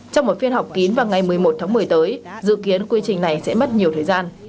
trong một phiên họp kín vào ngày một mươi một tháng một mươi tới dự kiến quy trình này sẽ mất nhiều thời gian